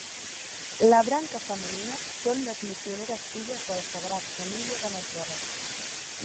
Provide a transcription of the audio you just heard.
La branca femenina són les Missioneres Filles de la Sagrada Família de Natzaret.